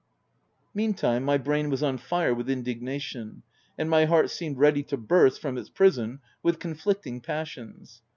Meantime, my brain was on fire with indig nation, and my heart seemed ready to burst from its prison with conflicting passions.